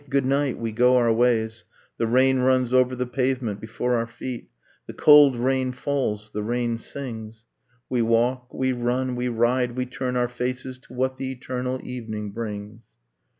good night! we go our ways, The rain runs over the pavement before our feet, The cold rain falls, the rain sings. We walk, we run, we ride. We turn our faces To what the eternal evening brings.